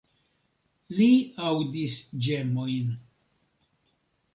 Li aŭdis ĝemojn.